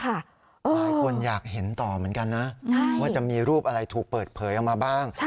หลายคนอยากเห็นต่อเหมือนกันนะว่าจะมีรูปอะไรถูกเปิดเผยออกมาบ้าง